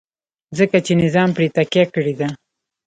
ځکه چې نظام پرې تکیه کړې ده.